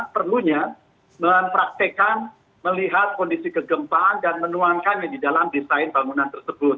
perlunya mempraktekkan melihat kondisi kegempaan dan menuangkannya di dalam desain bangunan tersebut